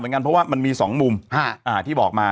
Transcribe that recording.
เพราะว่ามันมี๒มุมที่บอกมา